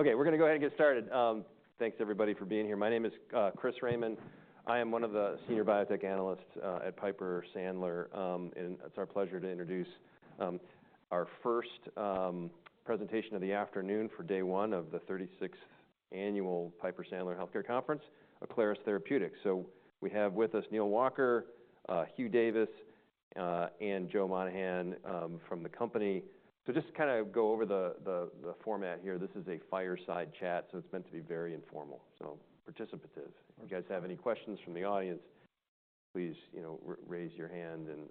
Okay, we're going to go ahead and get started. Thanks, everybody, for being here. My name is Chris Raymond. I am one of the senior biotech analysts at Piper Sandler. It's our pleasure to introduce our first presentation of the afternoon for day one of the 36th annual Piper Sandler Healthcare Conference, Aclaris Therapeutics. So we have with us Neal Walker, Hugh Davis, and Joe Monahan from the company. So just to kind of go over the format here, this is a fireside chat, so it's meant to be very informal, so participative. If you guys have any questions from the audience, please raise your hand, and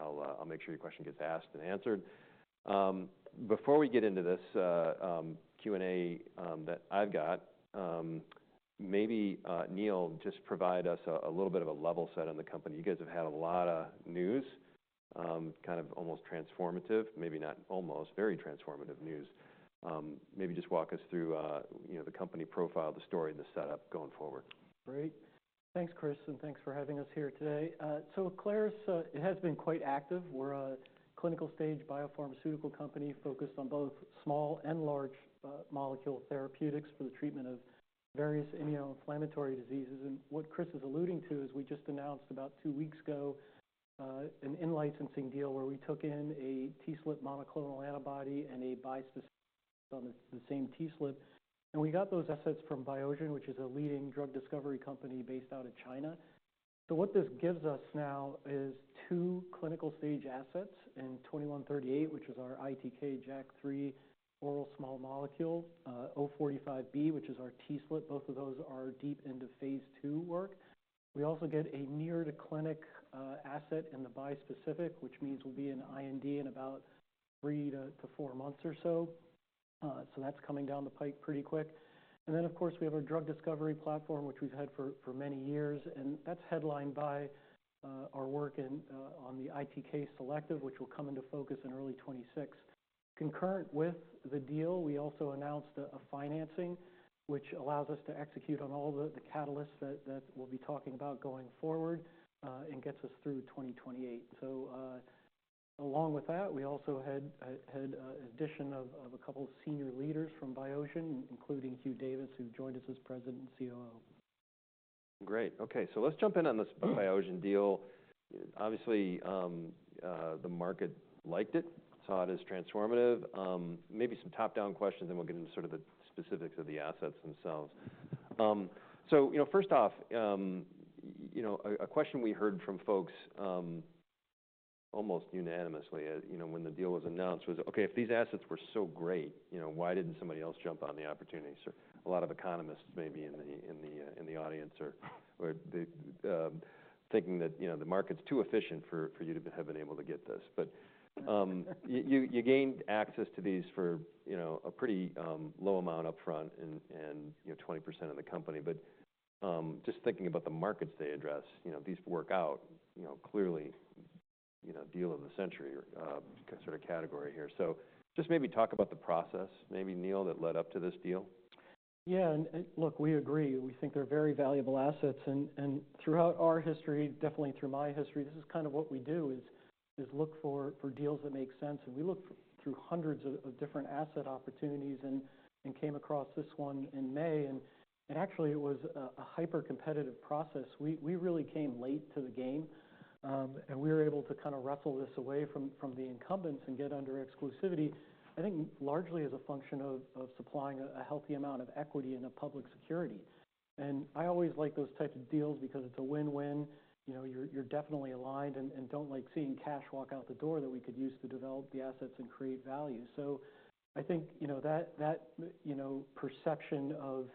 I'll make sure your question gets asked and answered. Before we get into this Q&A that I've got, maybe Neal, just provide us a little bit of a level set on the company. You guys have had a lot of news, kind of almost transformative, maybe not almost, very transformative news. Maybe just walk us through the company profile, the story, the setup going forward. Great. Thanks, Chris, and thanks for having us here today. Aclaris has been quite active. We're a clinical-stage biopharmaceutical company focused on both small and large molecule therapeutics for the treatment of various immunoinflammatory diseases. What Chris is alluding to is we just announced about two weeks ago an in-licensing deal where we took in a TSLP monoclonal antibody and a bispecific on the same TSLP. We got those assets from Biosion, which is a leading drug discovery company based out of China. What this gives us now is two clinical-stage assets in 2138, which is our ITK/JAK3 oral small molecule, O45B, which is our TSLP. Both of those are deep into phase 2 work. We also get a near-to-clinic asset in the bispecific, which means we'll be in IND in about three to four months or so. So that's coming down the pike pretty quick. And then, of course, we have our drug discovery platform, which we've had for many years, and that's headlined by our work on the ITK selective, which will come into focus in early 2026. Concurrent with the deal, we also announced a financing which allows us to execute on all the catalysts that we'll be talking about going forward and gets us through 2028. So along with that, we also had an addition of a couple of senior leaders from Biosion, including Hugh Davis, who joined us as President and COO. Great. Okay, so let's jump in on this Biosion deal. Obviously, the market liked it, saw it as transformative. Maybe some top-down questions, and we'll get into sort of the specifics of the assets themselves. So first off, a question we heard from folks almost unanimously when the deal was announced was, "Okay, if these assets were so great, why didn't somebody else jump on the opportunity?" A lot of economists maybe in the audience are thinking that the market's too efficient for you to have been able to get this. But you gained access to these for a pretty low amount upfront and 20% of the company. But just thinking about the markets they address, these work out clearly deal of the century sort of category here. So just maybe talk about the process, maybe, Neal, that led up to this deal. Yeah, and look, we agree. We think they're very valuable assets. And throughout our history, definitely through my history, this is kind of what we do is look for deals that make sense. And we looked through hundreds of different asset opportunities and came across this one in May. And actually, it was a hyper-competitive process. We really came late to the game, and we were able to kind of rustle this away from the incumbents and get under exclusivity, I think largely as a function of supplying a healthy amount of equity in a public security. And I always like those types of deals because it's a win-win. You're definitely aligned and don't like seeing cash walk out the door that we could use to develop the assets and create value. So I think that perception of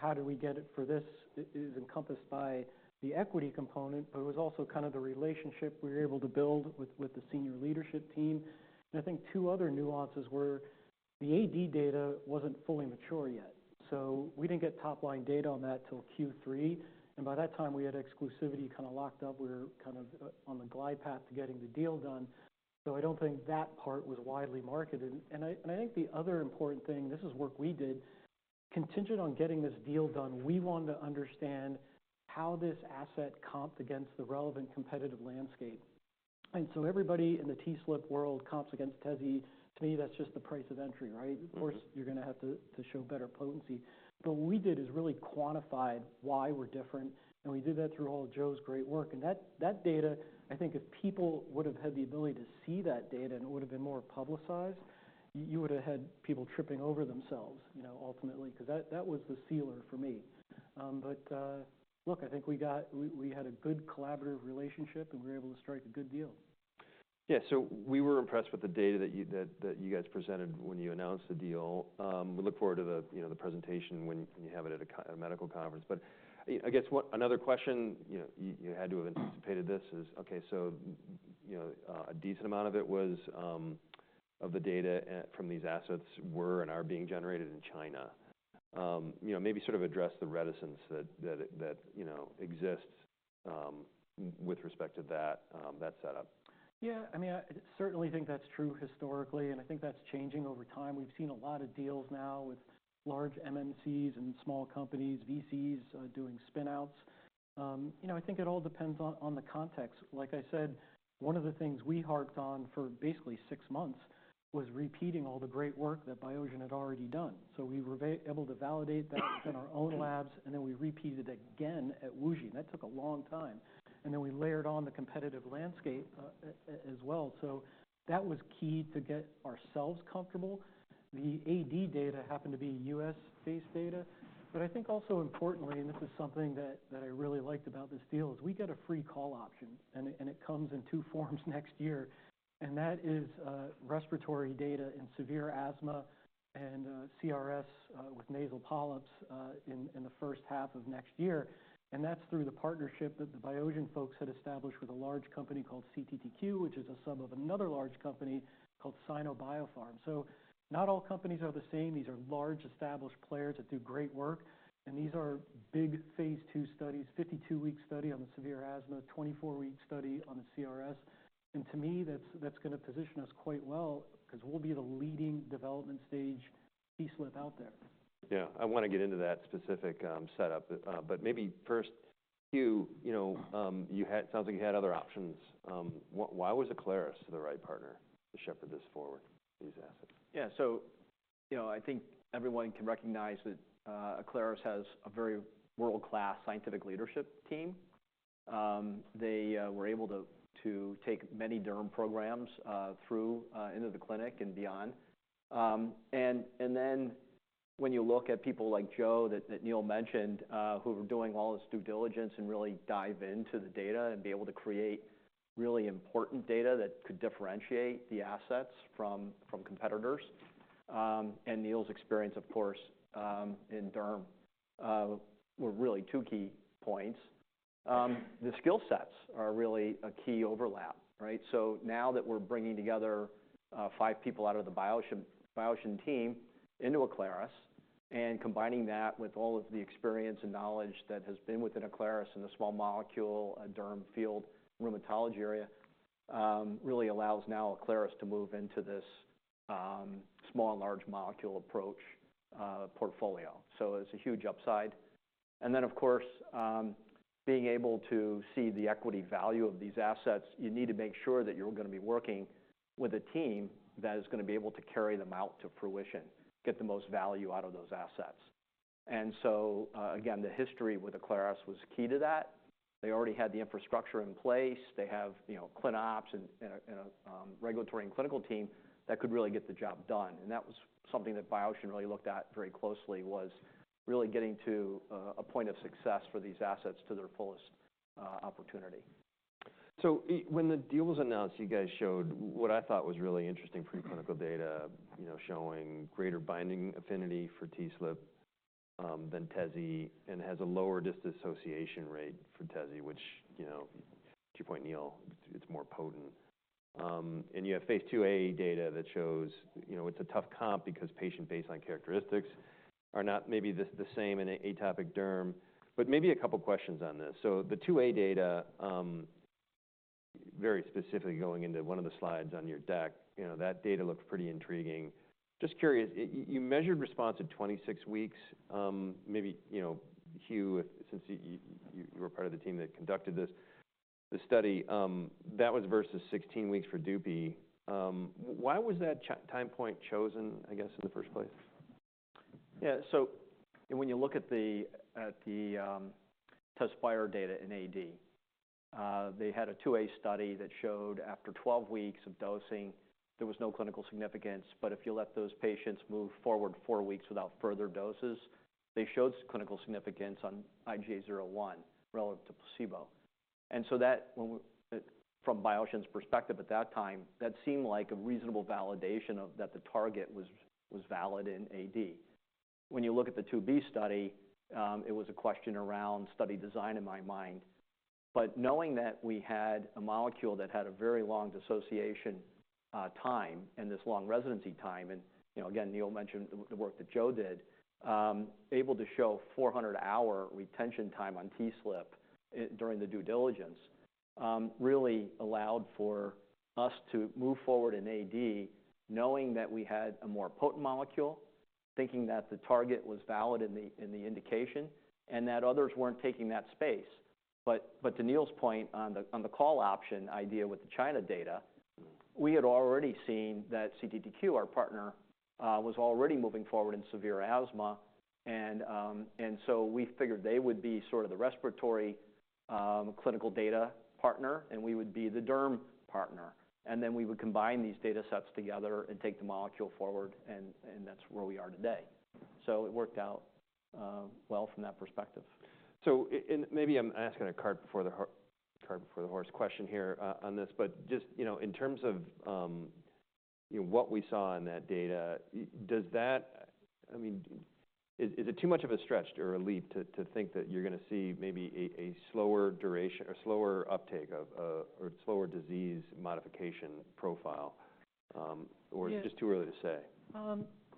how did we get it for this is encompassed by the equity component, but it was also kind of the relationship we were able to build with the senior leadership team. And I think two other nuances were the AD data wasn't fully mature yet. So we didn't get top-line data on that till Q3. And by that time, we had exclusivity kind of locked up. We were kind of on the glide path to getting the deal done. So I don't think that part was widely marketed. And I think the other important thing, this is work we did, contingent on getting this deal done, we wanted to understand how this asset comped against the relevant competitive landscape. And so everybody in the TSLP world comps against Tezspire. To me, that's just the price of entry, right? Of course, you're going to have to show better potency, but what we did is really quantified why we're different, and we did that through all of Joe's great work. That data, I think if people would have had the ability to see that data and it would have been more publicized, you would have had people tripping over themselves ultimately because that was the sealer for me. Look, I think we had a good collaborative relationship, and we were able to strike a good deal. Yeah, so we were impressed with the data that you guys presented when you announced the deal. We look forward to the presentation when you have it at a medical conference. But I guess another question you had to have anticipated. This is, okay, so a decent amount of it was of the data from these assets were and are being generated in China. Maybe sort of address the reticence that exists with respect to that setup. Yeah, I mean, I certainly think that's true historically, and I think that's changing over time. We've seen a lot of deals now with large MNCs and small companies, VCs doing spinouts. I think it all depends on the context. Like I said, one of the things we harped on for basically six months was repeating all the great work that Biosion had already done. So we were able to validate that in our own labs, and then we repeated it again at WuXi AppTec. And that took a long time. And then we layered on the competitive landscape as well. So that was key to get ourselves comfortable. The AD data happened to be U.S.-based data. But I think also importantly, and this is something that I really liked about this deal, is we get a free call option, and it comes in two forms next year. That is respiratory data in severe asthma and CRS with nasal polyps in the first half of next year. And that's through the partnership that the Biosion folks had established with a large company called CTTQ, which is a sub of another large company called Sino Biopharmaceutical. So not all companies are the same. These are large established players that do great work. And these are big phase two studies, 52-week study on the severe asthma, 24-week study on the CRS. And to me, that's going to position us quite well because we'll be the leading development stage TSLP out there. Yeah, I want to get into that specific setup. But maybe first, Hugh, it sounds like you had other options. Why was Aclaris the right partner to shepherd this forward, these assets? Yeah, so I think everyone can recognize that Aclaris has a very world-class scientific leadership team. They were able to take many derm programs through into the clinic and beyond. And then when you look at people like Joe that Neal mentioned who were doing all this due diligence and really dive into the data and be able to create really important data that could differentiate the assets from competitors. And Neal's experience, of course, in derm were really two key points. The skill sets are really a key overlap, right? So now that we're bringing together five people out of the Biosion team into Aclaris and combining that with all of the experience and knowledge that has been within Aclaris in the small molecule, derm field, rheumatology area really allows now Aclaris to move into this small and large molecule approach portfolio. So it's a huge upside. And then, of course, being able to see the equity value of these assets, you need to make sure that you're going to be working with a team that is going to be able to carry them out to fruition, get the most value out of those assets. And so again, the history with Aclaris was key to that. They already had the infrastructure in place. They have cleanups and a regulatory and clinical team that could really get the job done. And that was something that Biosion really looked at very closely was really getting to a point of success for these assets to their fullest opportunity. So when the deal was announced, you guys showed what I thought was really interesting preclinical data showing greater binding affinity for TSLP than Tezspire and has a lower dissociation rate for Tezspire, which to your point, Neal, it's more potent. And you have phase 2A data that shows it's a tough comp because patient baseline characteristics are not maybe the same in an atopic derm. But maybe a couple of questions on this. So the 2A data, very specifically going into one of the slides on your deck, that data looks pretty intriguing. Just curious, you measured response at 26 weeks. Maybe, Hugh, since you were part of the team that conducted this study, that was versus 16 weeks for Dupixent. Why was that time point chosen, I guess, in the first place? Yeah, so when you look at the Tezspire data in AD, they had a two A study that showed after 12 weeks of dosing, there was no clinical significance. But if you let those patients move forward four weeks without further doses, they showed clinical significance on IGA 0/1 relative to placebo. And so from Biosion's perspective at that time, that seemed like a reasonable validation that the target was valid in AD. When you look at the two B study, it was a question around study design in my mind. But knowing that we had a molecule that had a very long dissociation time and this long residence time, and again, Neal mentioned the work that Joe did, able to show 400-hour retention time on TSLP during the due diligence really allowed for us to move forward in AD knowing that we had a more potent molecule, thinking that the target was valid in the indication, and that others weren't taking that space. But to Neal's point on the call option idea with the China data, we had already seen that CTTQ, our partner, was already moving forward in severe asthma, and so we figured they would be sort of the respiratory clinical data partner, and we would be the derm partner, and then we would combine these data sets together and take the molecule forward, and that's where we are today, so it worked out well from that perspective. So maybe I'm asking a cart before the horse question here on this. But just in terms of what we saw in that data, I mean, is it too much of a stretch or a leap to think that you're going to see maybe a slower uptake or slower disease modification profile, or is it just too early to say?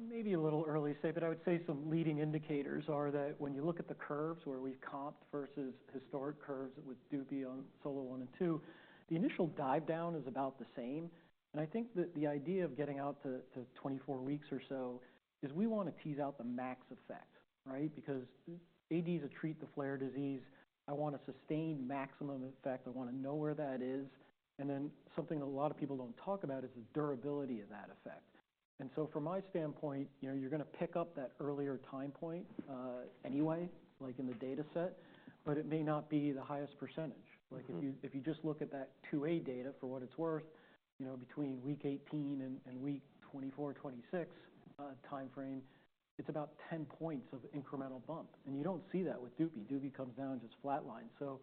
Maybe a little early to say, but I would say some leading indicators are that when you look at the curves where we've compared versus historic curves with Dupy, SOLO One, and Two, the initial dive down is about the same. And I think that the idea of getting out to 24 weeks or so is we want to tease out the max effect, right? Because AD is a treat-the-flare disease. I want a sustained maximum effect. I want to know where that is. And then something that a lot of people don't talk about is the durability of that effect. And so from my standpoint, you're going to pick up that earlier time point anyway, like in the data set, but it may not be the highest percentage. If you just look at that 2A data for what it's worth, between week 18 and week 24- to 26 timeframe, it's about 10 points of incremental bump. And you don't see that with Dupy. Dupy comes down just flatline. So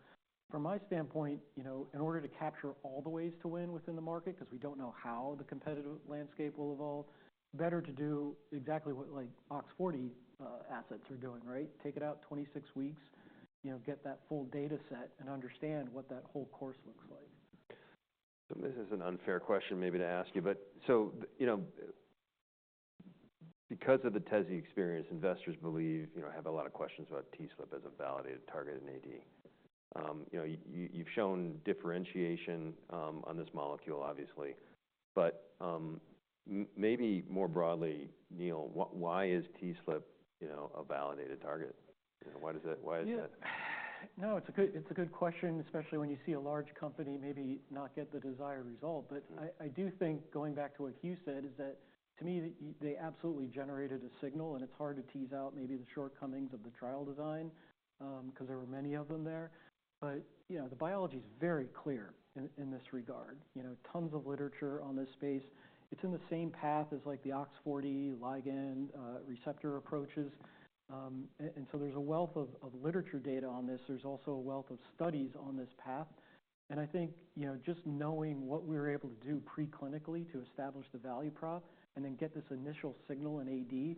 from my standpoint, in order to capture all the ways to win within the market, because we don't know how the competitive landscape will evolve, better to do exactly what OX40 assets are doing, right? Take it out 26 weeks, get that full data set, and understand what that whole course looks like. This is an unfair question maybe to ask you. Because of the Tezspire experience, investors have a lot of questions about TSLP as a validated target in AD. You've shown differentiation on this molecule, obviously. Maybe more broadly, Neal, why is TSLP a validated target? Why is that? Yeah. No, it's a good question, especially when you see a large company maybe not get the desired result. But I do think going back to what Hugh said is that to me, they absolutely generated a signal, and it's hard to tease out maybe the shortcomings of the trial design because there were many of them there. But the biology is very clear in this regard. Tons of literature on this space. It's in the same path as the OX40 ligand receptor approaches. And so there's a wealth of literature data on this. There's also a wealth of studies on this path. And I think just knowing what we were able to do preclinically to establish the value prop and then get this initial signal in AD,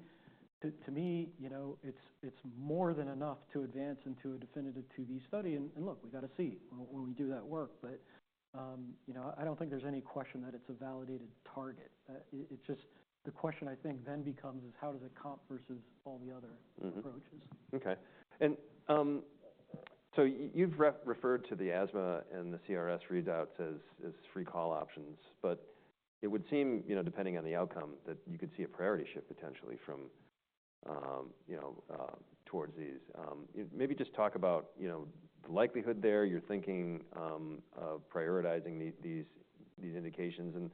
to me, it's more than enough to advance into a definitive two B study. And look, we got to see when we do that work. But I don't think there's any question that it's a validated target. The question I think then becomes is how does it comp versus all the other approaches? Okay. And so you've referred to the asthma and the CRS readouts as free call options. But it would seem, depending on the outcome, that you could see a priority shift potentially from towards these. Maybe just talk about the likelihood there. You're thinking of prioritizing these indications. And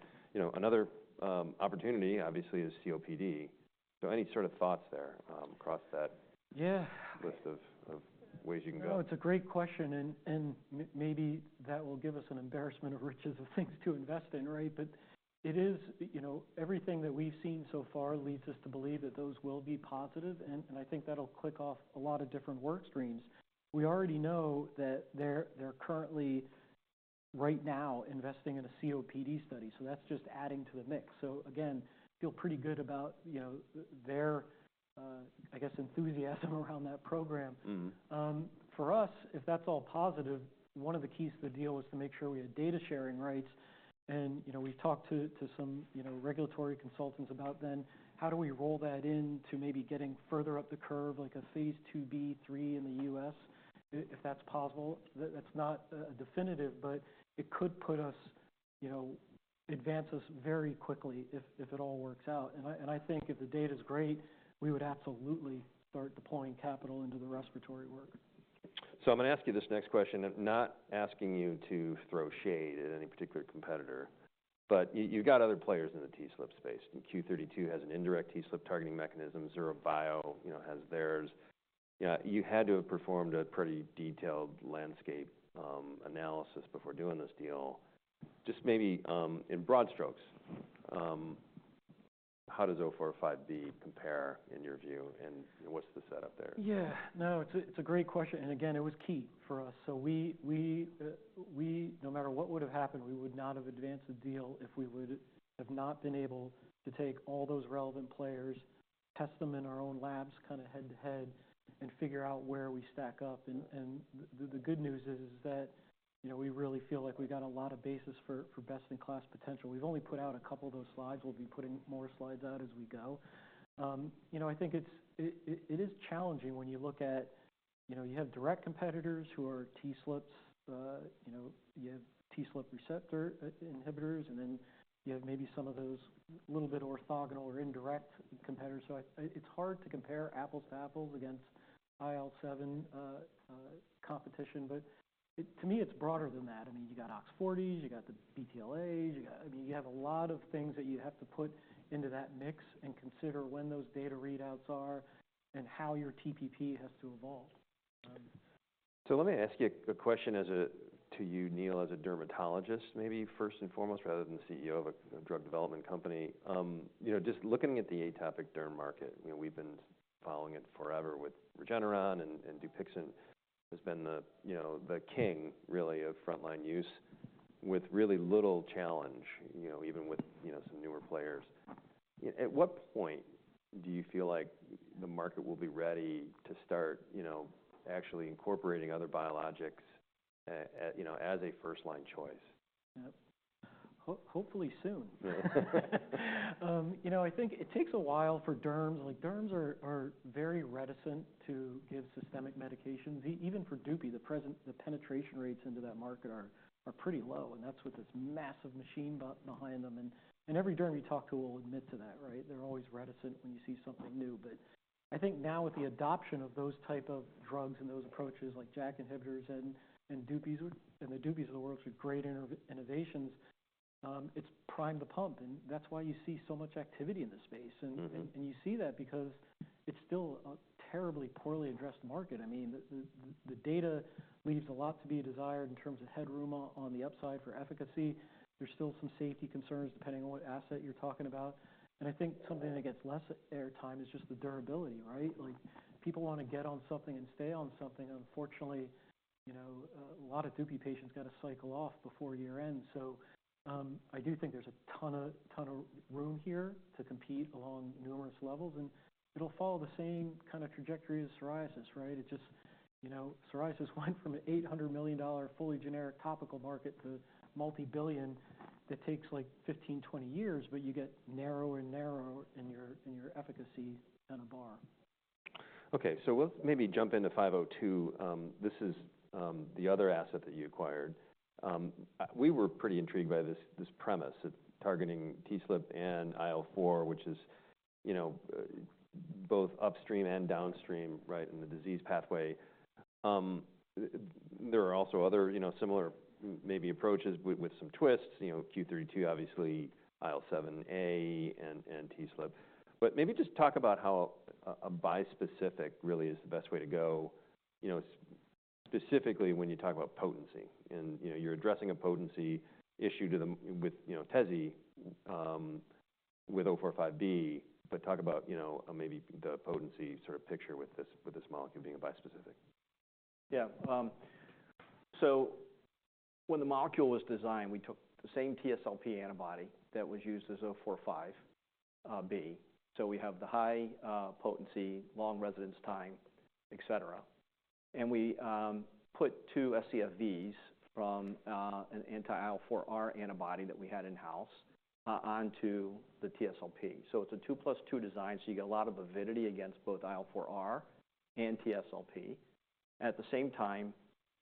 another opportunity, obviously, is COPD. So any sort of thoughts there across that list of ways you can go? No, it's a great question. And maybe that will give us an embarrassment of riches of things to invest in, right? But it is everything that we've seen so far leads us to believe that those will be positive. And I think that'll click off a lot of different work streams. We already know that they're currently, right now, investing in a COPD study. So that's just adding to the mix. So again, feel pretty good about their, I guess, enthusiasm around that program. For us, if that's all positive, one of the keys to the deal was to make sure we had data sharing rights. And we've talked to some regulatory consultants about then, how do we roll that into maybe getting further up the curve, like a phase 2B, 3 in the U.S., if that's possible? That's not a definitive, but it could put us, advance us very quickly if it all works out. And I think if the data is great, we would absolutely start deploying capital into the respiratory work. I'm going to ask you this next question, not asking you to throw shade at any particular competitor. But you've got other players in the TSLP space. Q32 Bio has an indirect TSLP targeting mechanism. Zura Bio has theirs. You had to have performed a pretty detailed landscape analysis before doing this deal. Just maybe in broad strokes, how does BSI-045B compare in your view? And what's the setup there? Yeah. No, it's a great question. And again, it was key for us. So no matter what would have happened, we would not have advanced the deal if we would have not been able to take all those relevant players, test them in our own labs kind of head to head, and figure out where we stack up. And the good news is that we really feel like we've got a lot of basis for best-in-class potential. We've only put out a couple of those slides. We'll be putting more slides out as we go. I think it is challenging when you look at you have direct competitors who are TSLPs, you have TSLP receptor inhibitors, and then you have maybe some of those a little bit orthogonal or indirect competitors. So it's hard to compare apples to apples against IL-7 competition. But to me, it's broader than that. I mean, you got OX40s, you got the BTLAs, you got I mean, you have a lot of things that you have to put into that mix and consider when those data readouts are and how your TPP has to evolve. So let me ask you a question to you, Neal, as a dermatologist, maybe first and foremost, rather than the CEO of a drug development company. Just looking at the atopic derm market, we've been following it forever with Regeneron and Dupixent. It's been the king, really, of frontline use with really little challenge, even with some newer players. At what point do you feel like the market will be ready to start actually incorporating other biologics as a first-line choice? Yep. Hopefully soon. I think it takes a while for derms. Derms are very reticent to give systemic medications. Even for JAK inhibitors and Dupy's into that market are pretty low, and that's with this massive machine behind them. Every derm you talk to will admit to that, right? They're always reticent when you see something new. I think now with the adoption of those types of drugs and those approaches like JAK inhibitors and Dupy's and the Dupy's of the world with great innovations, it's primed to pump. That's why you see so much activity in this space. You see that because it's still a terribly poorly addressed market. I mean, the data leaves a lot to be desired in terms of headroom on the upside for efficacy. There's still some safety concerns depending on what asset you're talking about. And I think something that gets less airtime is just the durability, right? People want to get on something and stay on something. Unfortunately, a lot of Dupy patients got to cycle off before year-end. So I do think there's a ton of room here to compete along numerous levels. And it'll follow the same kind of trajectory as psoriasis, right? It's just psoriasis went from an $800 million fully generic topical market to multi-billion that takes like 15-20 years, but you get narrower and narrower in your efficacy on a bar. Okay. So we'll maybe jump into 502. This is the other asset that you acquired. We were pretty intrigued by this premise targeting TSLP and IL-4, which is both upstream and downstream, right, in the disease pathway. There are also other similar maybe approaches with some twists. Q32, obviously, IL-7 and TSLP. But maybe just talk about how a bispecific really is the best way to go, specifically when you talk about potency. And you're addressing a potency issue with Tezzy with 045B, but talk about maybe the potency sort of picture with this molecule being a bispecific. Yeah. So when the molecule was designed, we took the same TSLP antibody that was used as O45B. So we have the high potency, long residence time, etc. And we put two scFvs from an anti-IL-4R antibody that we had in-house onto the TSLP. So it's a 2 plus 2 design. So you get a lot of avidity against both IL-4R and TSLP. At the same time,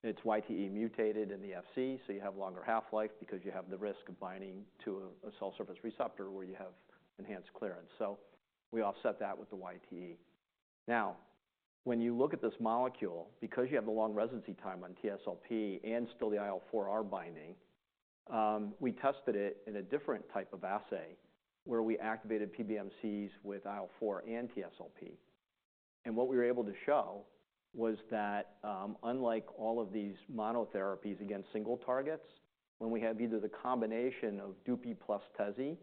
it's YTE mutated in the Fc, so you have longer half-life because you have the risk of binding to a cell surface receptor where you have enhanced clearance. So we offset that with the YTE. Now, when you look at this molecule, because you have the long residency time on TSLP and still the IL-4R binding, we tested it in a different type of assay where we activated PBMCs with IL-4 and TSLP. What we were able to show was that unlike all of these monotherapies against single targets, when we have either the combination of Dupy plus Tezzy,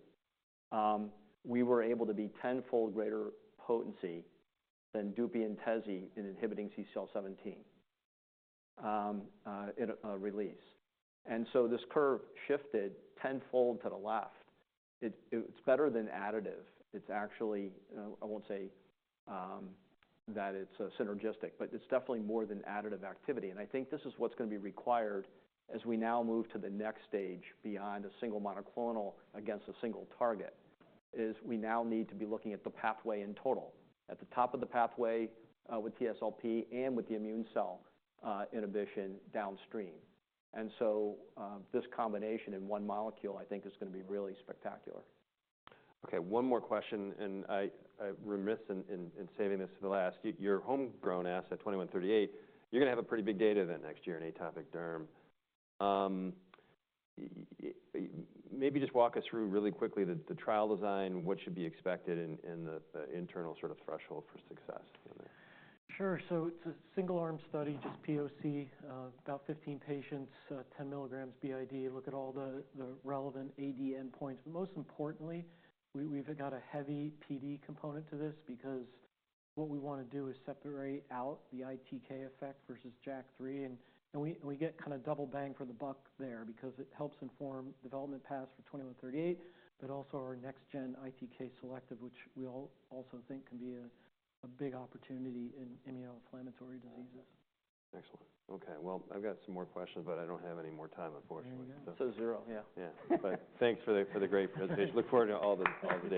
we were able to be tenfold greater potency than Dupy and Tezzy in inhibiting CCL17 release. And so this curve shifted tenfold to the left. It's better than additive. It's actually, I won't say that it's synergistic, but it's definitely more than additive activity. And I think this is what's going to be required as we now move to the next stage beyond a single monoclonal against a single target, is we now need to be looking at the pathway in total, at the top of the pathway with TSLP and with the immune cell inhibition downstream. And so this combination in one molecule, I think, is going to be really spectacular. Okay. One more question, and I'm saving this for the last. Your homegrown asset, 2138, you're going to have a pretty big data event next year in atopic derm. Maybe just walk us through really quickly the trial design, what should be expected, and the internal sort of threshold for success. Sure. So it's a single-arm study, just POC, about 15 patients, 10 milligrams b.i.d. Look at all the relevant AD endpoints. But most importantly, we've got a heavy PD component to this because what we want to do is separate out the ITK effect versus JAK3. And we get kind of double bang for the buck there because it helps inform development paths for 2138, but also our next-gen ITK selective, which we also think can be a big opportunity in immunoinflammatory diseases. Excellent. Okay. Well, I've got some more questions, but I don't have any more time, unfortunately. So, Zura, yeah. Yeah. But thanks for the great presentation. Look forward to all the.